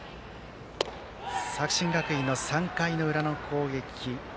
作新学院の３回の裏の攻撃。